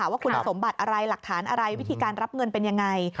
ว่าคุณสมบัติอะไรหลักฐานอะไรวิธีการรับเงินเป็นยังไง